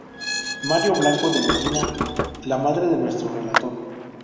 María Blanco de Medina, la madre de nuestro relator.